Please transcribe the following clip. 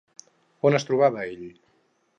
On es trobava ell?